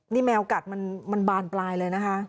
นี่แมวกัดมันบานปลายเลยนะคะ